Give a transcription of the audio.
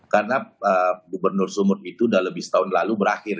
karena gubernur sumut itu sudah lebih setahun lalu berakhir